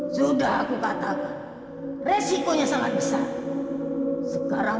sudah aku katakan resikonya sangat besar sekarang